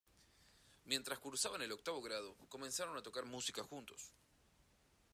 Mientras cursaban el octavo grado, comenzaron a tocar música juntos.